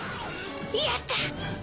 やった！